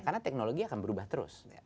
karena teknologi akan berubah terus